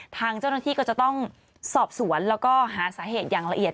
ทางเจ้าหน้าที่ก็จะต้องสอบสวนแล้วก็หาสาเหตุอย่างละเอียด